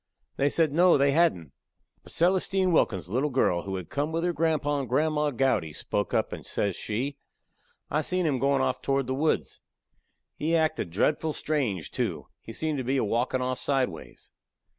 They said, No, they hadn't. But Celestine Wilkin's little girl, who had come with her grandpa and grandma Gowdy, spoke up, and says she: "I seen him goin' off toward the woods. He acted dretful strange, too; he seemed to be a walkin' off sideways."